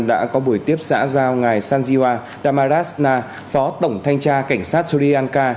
đã có buổi tiếp xã giao ngài sanjiwa damarasana phó tổng thanh tra cảnh sát suriyanka